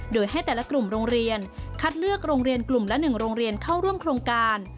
โดยให้แต่ละกลุ่มโรงเรียนคัดเลือกโรงเรียนกลุ่มละ๑โรงเรียนเข้าร่วมโครงการ